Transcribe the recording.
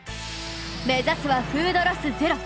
めざすはフードロスゼロ！